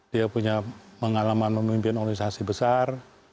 dia punya pengalaman memimpin organisasi besar